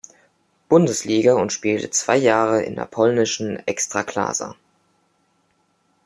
Bundesliga und spielte zwei Jahre in der polnischen Ekstraklasa.